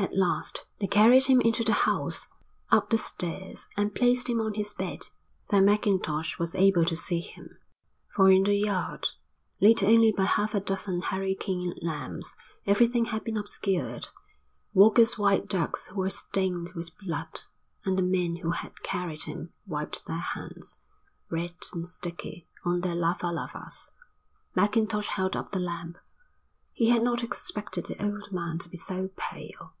At last they carried him into the house, up the stairs, and placed him on his bed. Then Mackintosh was able to see him, for in the yard, lit only by half a dozen hurricane lamps, everything had been obscured. Walker's white ducks were stained with blood, and the men who had carried him wiped their hands, red and sticky, on their lava lavas. Mackintosh held up the lamp. He had not expected the old man to be so pale.